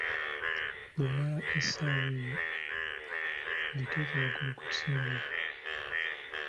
Bw'omala essaawa eyo giteeke waggulu ku kisenge